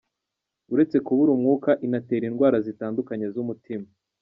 Uretse kubura umwuka, inatera indwara zitandukanye z’umutima.